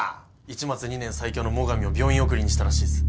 市松２年最強の最上を病院送りにしたらしいっす。